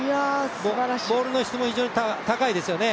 ボールの質も非常に高いですよね。